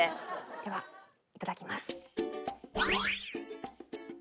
ではいただきます。